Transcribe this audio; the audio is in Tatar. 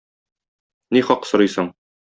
Ни хак сорыйсың?